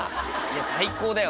最高だよ。